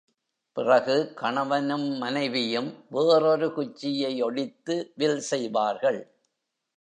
பிறகு கணவனும் மனைவியும் வேறொரு குச்சியை ஒடித்து வில் செய்வார்கள்.